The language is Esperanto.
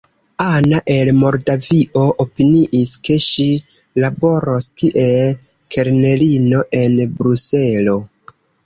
Ana el Moldavio opiniis, ke ŝi laboros kiel kelnerino en Bruselo.